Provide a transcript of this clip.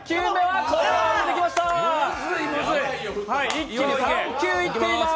一気に３球いっています。